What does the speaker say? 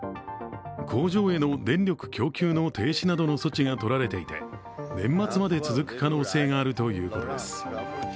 工場への電力供給の停止などの措置が執られていて年末まで続く可能性があるということです。